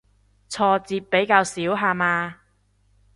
挫折比較少下嘛